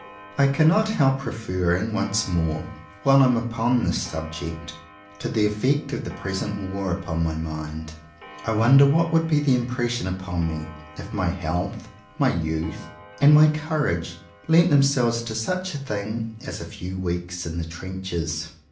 I cannot help referring, once more, while I am upon this subject, to the effect of the present war upon my mind. I wonder what would be the impression upon me if my health, my youth, and my courage lent themselves to such a thing as a few weeks in the trenches.?